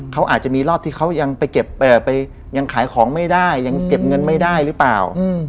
เขาอาจจะมีรอบที่เขายังไปยังขายของไม่ได้ยังเก็บเงินไม่ได้หรือเปล่า